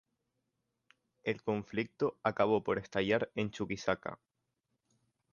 El conflicto acabó por estallar en Chuquisaca.